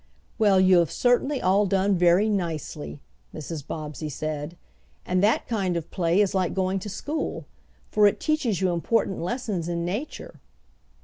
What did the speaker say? "Well, you have certainly all done very nicely," Mrs. Bobbsey said. "And that kind of play is like going to school, for it teaches you important lessons in nature."